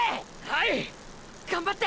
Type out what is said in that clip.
はい！！